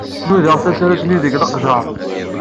Nudaɣ tasarut-nni deg leqjer.